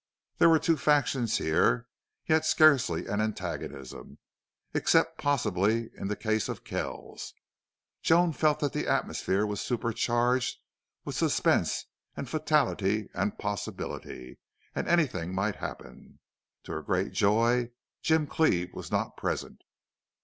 There were two factions here, yet scarcely an antagonism, except possibly in the case of Kells. Joan felt that the atmosphere was supercharged with suspense and fatality and possibility and anything might happen. To her great joy, Jim Cleve was not present.